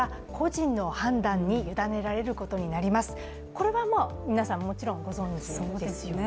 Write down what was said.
これは皆さん、もちろんご存じですよね？